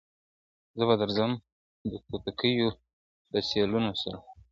زه به درځم د توتکیو له سېلونو سره !.